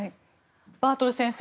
バートル先生